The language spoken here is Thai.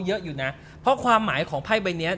เยอะอยู่นะเพราะความหมายของไพ่ใบเนี้ย